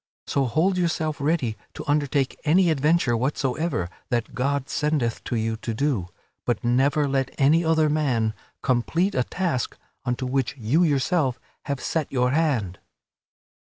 So hold yourself ready to undertake any adventure whatsoever that God sendeth to you to do, but never let any other man complete a task unto which you yourself have set your hand."